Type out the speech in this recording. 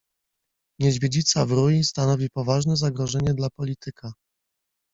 Niedźwiedzica w rui stanowi poważne zagrożenie dla polityka.